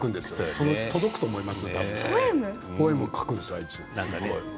そのうち届くと思います。